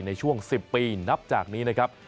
ในช่วง๑๐ปีนับจากนี้นะครับ